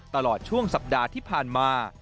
ตลอดช่วงสัปดาห์ที่ผ่านมา